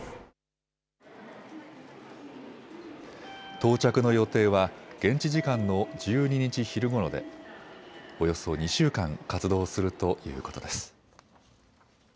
到着の予定は現地時間の１２日昼ごろでおよそ２週間活動するということです。